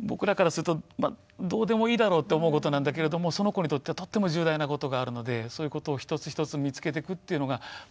僕らからするとどうでもいいだろうって思うことなんだけれどもその子にとってはとっても重大なことがあるのでそういうことを一つ一つ見つけていくっていうのが